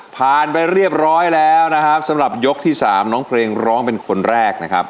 ไปเรียบร้อยแล้วนะครับสำหรับยกที่สามน้องเพลงร้องเป็นคนแรกนะครับ